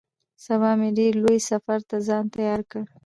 سبا مې ډېر لوی سفر ته ځان تيار کړ.